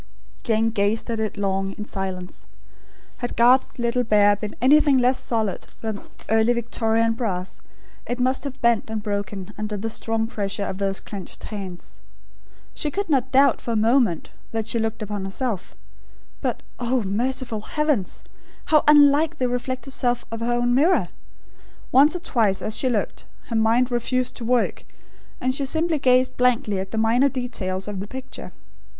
Jane gazed at it long, in silence. Had Garth's little bear been anything less solid than Early Victorian brass; it must have bent and broken under the strong pressure of those clenched hands. She could not doubt, for a moment, that she looked upon herself; but, oh, merciful heavens! how unlike the reflected self of her own mirror! Once or twice as she looked, her mind refused to work, and she simply gazed blankly at the minor details of the picture.